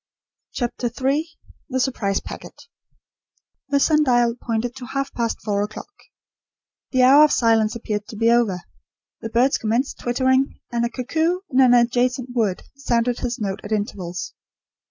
CHAPTER III THE SURPRISE PACKET The sun dial pointed to half past four o'clock. The hour of silence appeared to be over. The birds commenced twittering; and a cuckoo, in an adjacent wood, sounded his note at intervals.